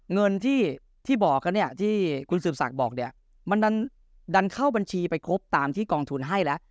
เงินที่บอกกันเนี่ยที่คุณสืบศักดิ์บอกเนี่ยมันดันเข้าบัญชีไปครบตามที่กองทุนให้แล้ว